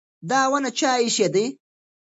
دا ونې چا ایښې دي؟